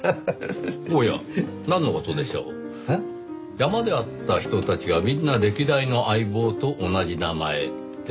山で会った人たちがみんな歴代の相棒と同じ名前って。